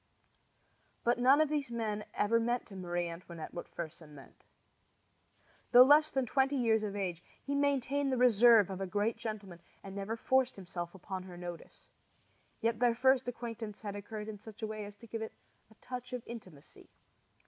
But none of these men ever meant to Marie Antoinette what Fersen meant. Though less than twenty years of age, he maintained the reserve of a great gentleman, and never forced himself upon her notice. Yet their first acquaintance had occurred in such a way as to give to it a touch of intimacy.